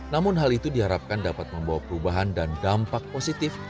namun hal itu diharapkan dapat membawa perubahan dan dampak positif